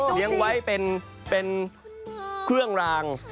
เลี้ยงไว้เป็นเครื่องราง